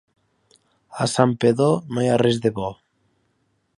A Santpedor no hi ha res de bo.